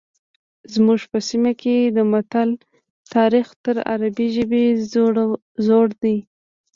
زموږ په سیمه کې د متل تاریخ تر عربي ژبې زوړ دی